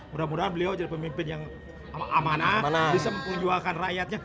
mudah mudahan beliau jadi pemimpin yang amanah bisa memperjuangkan rakyatnya